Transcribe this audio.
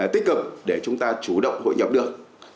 tích cực để chúng ta chủ động hội nhập được